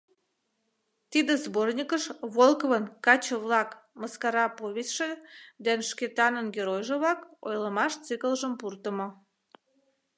Тиде сборникыш Волковын «Каче-влак» мыскара повестьше ден «Шкетанын геройжо-влак» ойлымаш циклжым пуртымо.